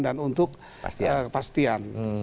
dan untuk kepastian